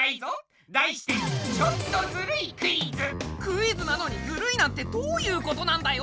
題してクイズなのにずるいなんてどういうことなんだよ